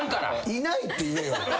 「いない」って言えよ。